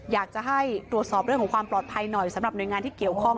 อยากจะให้ตรวจสอบเรื่องของความปลอดภัยหน่อยสำหรับหน่วยงานที่เกี่ยวข้อง